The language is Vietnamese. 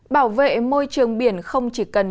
bảo vệ môi trường biển